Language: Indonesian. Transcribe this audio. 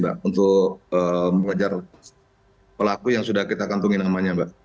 dan juga untuk memperbaiki pelaku yang sudah kita kantungi namanya mbak